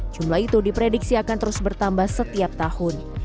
jumlah itu diprediksi akan terus bertambah setiap tahun